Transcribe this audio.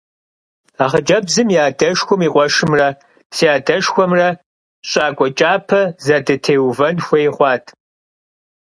А хъыджэбзым и адэшхуэм и къуэшымрэ си адэшхуэмрэ щӀакӀуэ кӀапэ зэдытеувэн хуей хъуат.